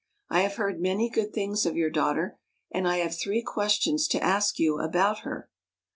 " I have heard many good things of your daughter, and I have three questions to ask you about her."